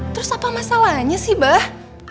terus apa masalahnya sih bah